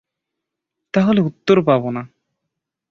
তাহলে উত্তর পাবো না।